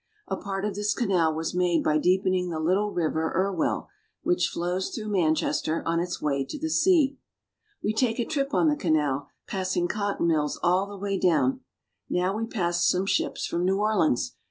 A part of this canal was made by deepening the little river Irwell, which flows through Manchester on its way to the sea. We take a trip on the canal, passing cotton mills all the way down. Now we pass ships from New Orleans, 6 4 ENGLAND.